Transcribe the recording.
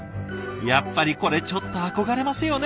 やっぱりこれちょっと憧れますよね。